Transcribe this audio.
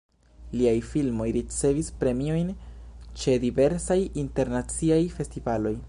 Liaj filmoj ricevis premiojn ĉe diversaj internaciaj festivaloj.